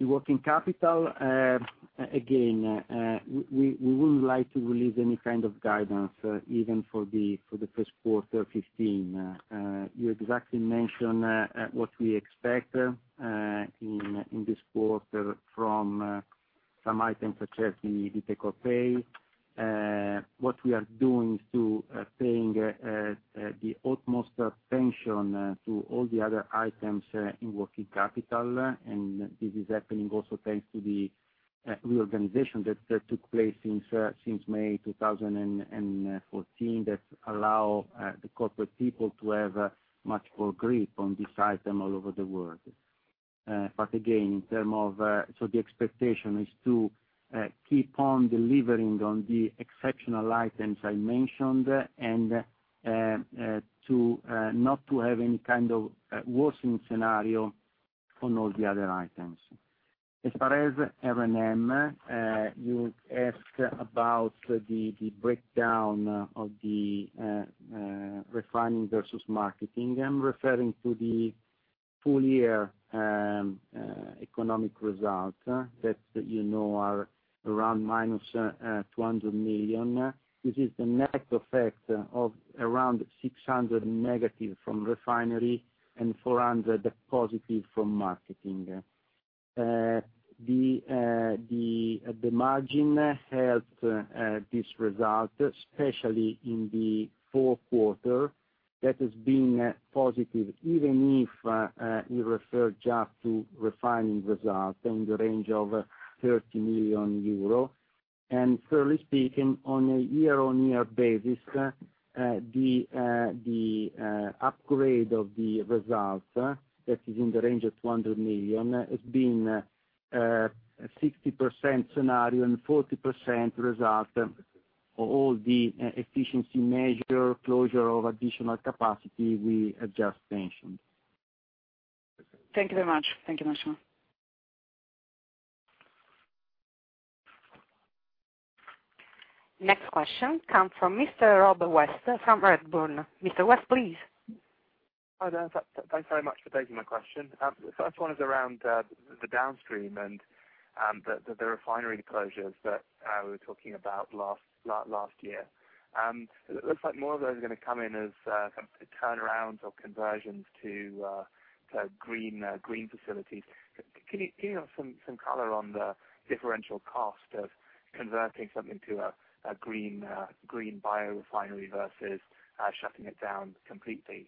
the working capital, again, we wouldn't like to release any kind of guidance even for the first quarter 2015. You exactly mentioned what we expect in this quarter from some items such as the take-or-pay. What we are doing is paying the utmost attention to all the other items in working capital, and this is happening also thanks to the reorganization that took place since May 2014 that allow the corporate people to have much more grip on this item all over the world. Again, the expectation is to keep on delivering on the exceptional items I mentioned and not to have any kind of worsening scenario on all the other items. As far as R&M, you asked about the breakdown of the refining versus marketing. I'm referring to the full year economic results that you know are around minus 200 million. This is the net effect of around 600 negative from refinery and 400 positive from marketing. The margin helped this result, especially in the fourth quarter that has been positive, even if you refer just to refining results in the range of 30 million euro. Fairly speaking, on a year-on-year basis, the upgrade of the results, that is in the range of 200 million, has been a 60% scenario and 40% result of all the efficiency measure, closure of additional capacity we just mentioned. Thank you very much. Thank you, Massimo. Next question comes from Mr. Rob West from Redburn. Mr. West, please. Hi there. Thanks very much for taking my question. The first one is around the downstream and the refinery closures that we were talking about last year. It looks like more of those are going to come in as turnarounds or conversions to green facilities. Can you give some color on the differential cost of converting something to a green biorefinery versus shutting it down completely?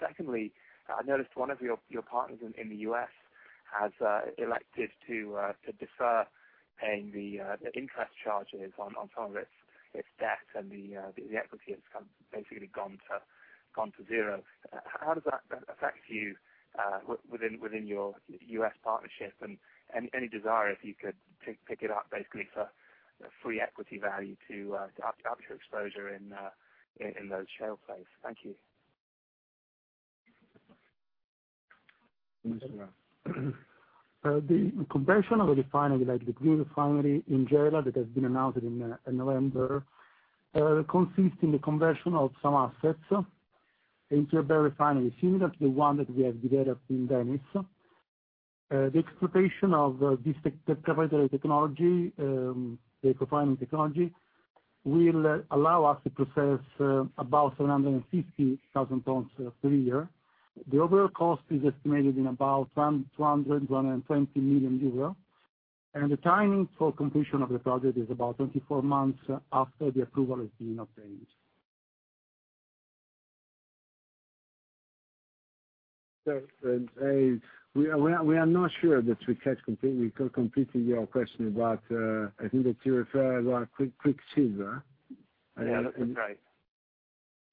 Secondly, I noticed one of your partners in the U.S. has elected to defer paying the interest charges on some of its debt and the equity has basically gone to zero. How does that affect you within your U.S. partnership and any desire, if you could pick it up basically for free equity value to up your exposure in those shale plays? Thank you. The conversion of the refinery, like the green refinery in Gela that has been announced in November, consists in the conversion of some assets into a biorefinery similar to the one that we have developed in Venice. The expectation of this particular technology, the refining technology, will allow us to process about 750,000 tons per year. The overall cost is estimated in about 200 million-220 million euros, and the timing for completion of the project is about 24 months after the approval has been obtained. We are not sure that we caught completely your question, but I think that you refer about Quicksilver. Yeah, that's right.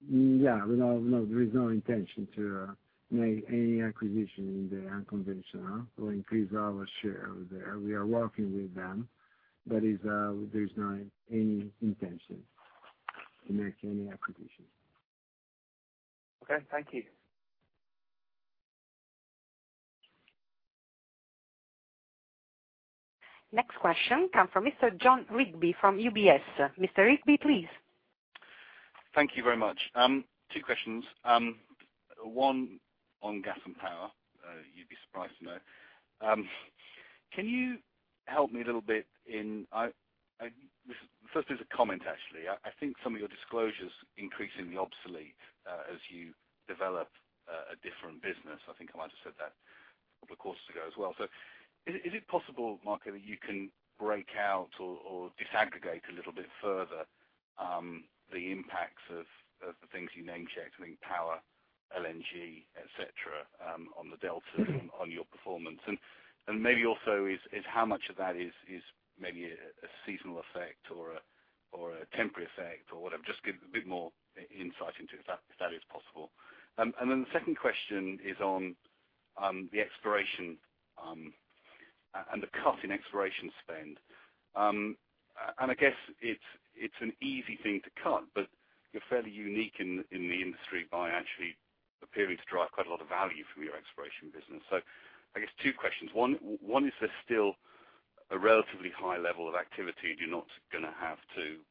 Yeah. No, there is no intention to make any acquisition in the unconventional or increase our share there. We are working with them, but there's not any intention to make any acquisitions. Okay. Thank you. Next question comes from Mr. Jon Rigby from UBS. Mr. Rigby, please. Thank you very much. two questions. one on gas and power, you'd be surprised to know. First, there's a comment, actually. I think some of your disclosure's increasingly obsolete as you develop a different business. I think I might have said that a couple of quarters ago as well. Is it possible, Marco, that you can break out or disaggregate a little bit further the impacts of the things you name-checked, I mean power, LNG, et cetera, on the delta on your performance? Maybe also is how much of that is maybe a seasonal effect or a temporary effect or whatever? Just give a bit more insight into if that is possible. The second question is on The exploration and the cut in exploration spend. I guess it's an easy thing to cut, but you're fairly unique in the industry by actually appearing to drive quite a lot of value from your exploration business. I guess two questions. One, is there still a relatively high level of activity? You're not going to have to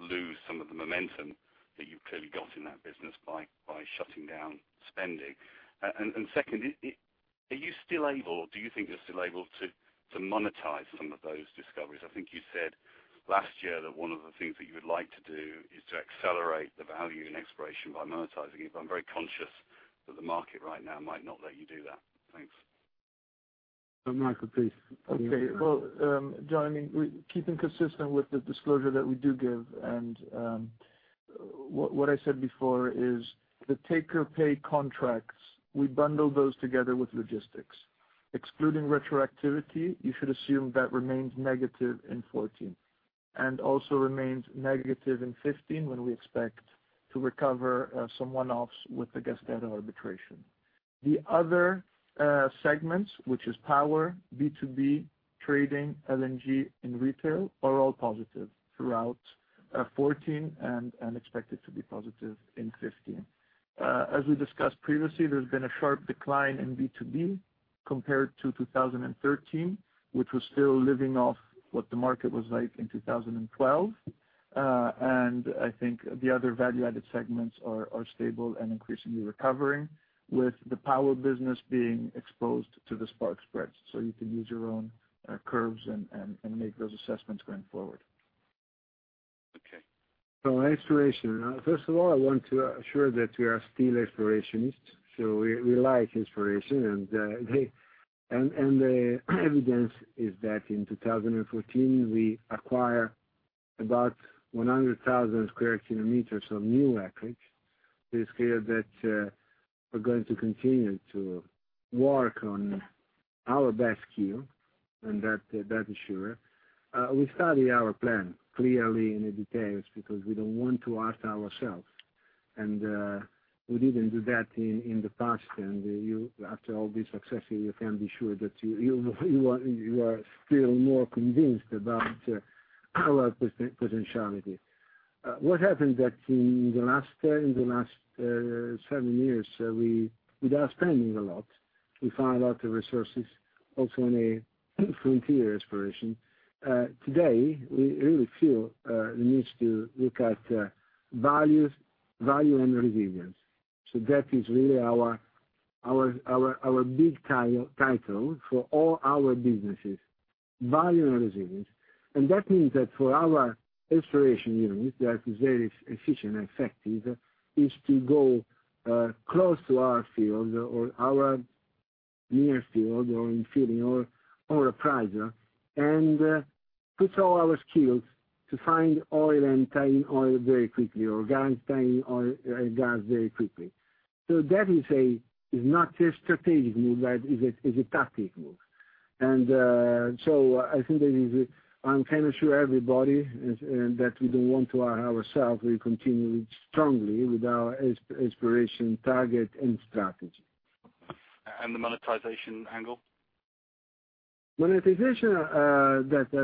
lose some of the momentum that you've clearly got in that business by shutting down spending. Second, do you think you're still able to monetize some of those discoveries? I think you said last year that one of the things that you would like to do is to accelerate the value in exploration by monetizing it, but I'm very conscious that the market right now might not let you do that. Thanks. Michele, please. Okay. Jon, keeping consistent with the disclosure that we do give, what I said before is the take-or-pay contracts, we bundle those together with logistics. Excluding retroactivity, you should assume that remains negative in 2014, also remains negative in 2015, when we expect to recover some one-offs with the GasTerra arbitration. The other segments, which is power, B2B, trading, LNG, and retail, are all positive throughout 2014 and expected to be positive in 2015. As we discussed previously, there's been a sharp decline in B2B compared to 2013, which was still living off what the market was like in 2012. I think the other value-added segments are stable and increasingly recovering, with the power business being exposed to the spark spreads. You can use your own curves and make those assessments going forward. Okay. Exploration. First of all, I want to assure that we are still explorationists, we like exploration and the evidence is that in 2014, we acquire about 100,000 square kilometers of new acreage. It is clear that we're going to continue to work on our best skill, and that is sure. We study our plan clearly in the details because we don't want to hurt ourselves. We didn't do that in the past, and after all this success, you can be sure that you are still more convinced about our potentiality. What happened that in the last seven years, without spending a lot, we found a lot of resources also in frontier exploration. Today, we really feel the need to look at value and resilience. That is really our big title for all our businesses, value and resilience. That means that for our exploration unit, that is very efficient and effective, is to go close to our field or our near field or in filling or appraisal and puts all our skills to find oil and tying oil very quickly or gas, tying oil and gas very quickly. That is not a strategic move, but is a tactic move. I think that is, I'm kind of sure everybody, is that we don't want to hurt ourselves. We continue strongly with our exploration target and strategy. The monetization angle? Monetization, I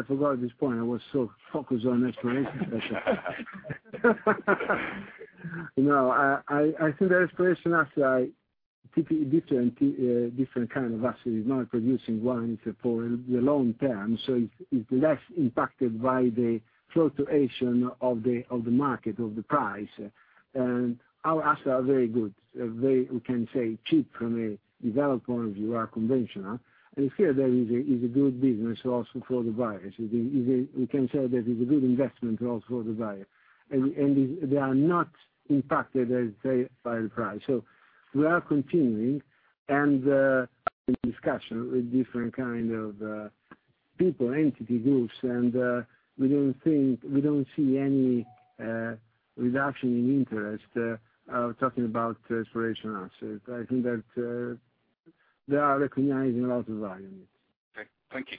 forgot this point. I was so focused on exploration. No, I think the exploration asset are typically different kind of assets, not producing one for the long term. It's less impacted by the fluctuation of the market, of the price. Our assets are very good. Very, we can say cheap from a developer point of view or conventional. Here there is a good business also for the buyers. We can say that it's a good investment also for the buyer. They are not impacted, as I say, by the price. We are continuing and in discussion with different kind of people, entity groups, and we don't see any reduction in interest of talking about exploration assets. I think that they are recognizing a lot of value in it. Okay, thank you.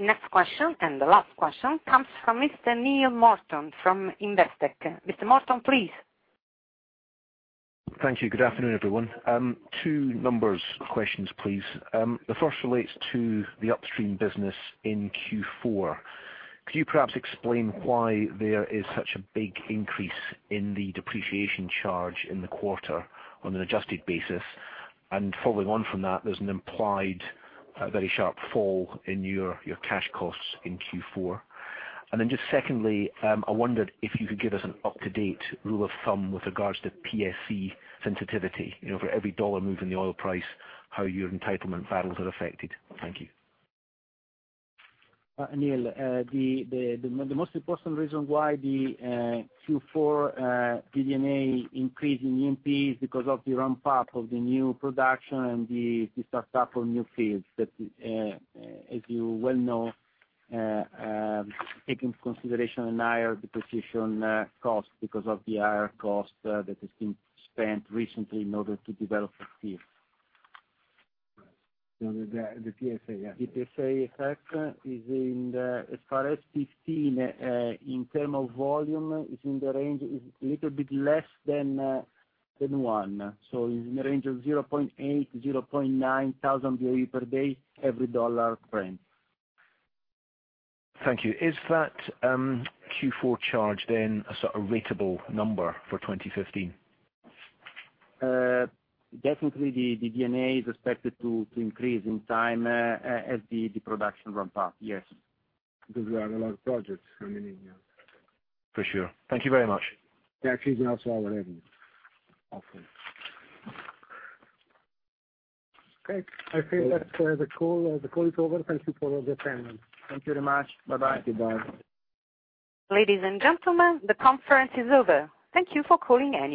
Next question, and the last question comes from Mr. Neill Morton from Investec. Mr. Morton, please. Thank you. Good afternoon, everyone. Two number questions, please. The first relates to the upstream business in Q4. Could you perhaps explain why there is such a big increase in the depreciation charge in the quarter on an adjusted basis? Following on from that, there's an implied very sharp fall in your cash costs in Q4. Secondly, I wondered if you could give us an up-to-date rule of thumb with regards to PSC sensitivity, for every $ move in the oil price, how your entitlement barrels are affected. Thank you. Neill, the most important reason why the Q4 DD&A increase in E&P is because of the ramp up of the new production and the start up of new fields. That, as you well know, takes into consideration a higher depreciation cost because of the higher cost that has been spent recently in order to develop the field. The PSA, yeah. The PSA effect is in the, as far as 2015, in terms of volume, is in the range, is a little bit less than one. It's in the range of 0.8, 0.9 thousand BOE per day, every $ trend. Thank you. Is that Q4 charge then a sort of ratable number for 2015? Definitely the DD&A is expected to increase in time as the production ramp up, yes. Because we have a lot of projects coming in, yeah. For sure. Thank you very much. Actually, they are also already operating. Okay. I think that the call is over. Thank you for all the attendance. Thank you very much. Bye-bye. Thank you. Bye. Ladies and gentlemen, the conference is over. Thank you for calling Eni.